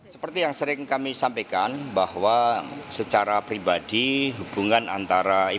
seperti yang sering kami sampaikan bahwa secara pribadi hubungan antara ibu